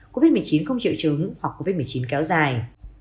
covid một mươi chín không triệu chứng hoặc covid một mươi chín kéo dài